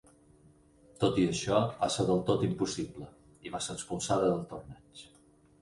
Tot i això, va ser del tot impossible i va ser expulsada del torneig.